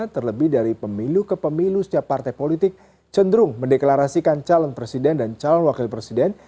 terlebih dari pemilu ke pemilu setiap partai politik cenderung mendeklarasikan calon presiden dan calon wakil presiden